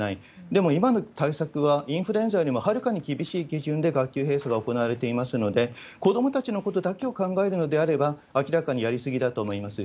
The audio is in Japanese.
でも、今の対策は、インフルエンザよりもはるかに厳しい基準で学級閉鎖が行われていますので、子どもたちのことだけを考えるのであれば、明らかにやり過ぎだと思います。